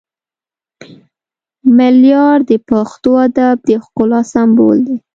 ملیار د پښتو ادب د ښکلا سمبول دی